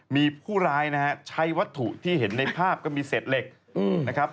มีผู้ร้ายนะฮะใช้วัตถุที่เห็นในภาพก็มีเศษเหล็กนะครับ